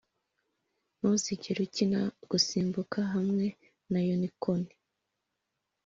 ntuzigere ukina gusimbuka hamwe na unicorn